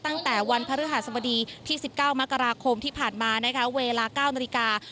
ตั้งแต่วันพระฤหัสบดีที่๑๙มกราคมที่ผ่านมานะคะเวลา๙นาฬิกา